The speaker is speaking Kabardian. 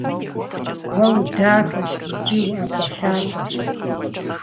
Уэ удахэщ икӀи уӀэкӀуэлъакӀуэщ.